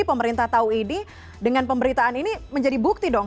pemerintah tahu ini dengan pemberitaan ini menjadi bukti dong